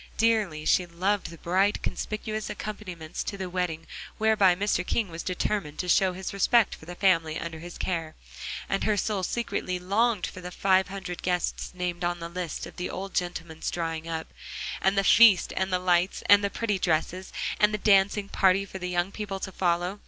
Dearly she loved the bright, conspicuous accompaniments to the wedding whereby Mr. King was determined to show his respect for the family under his care. And her soul secretly longed for the five hundred guests named on a list of the old gentleman's drawing up. And the feast and the lights, and the pretty dresses, and the dancing party for the young people to follow.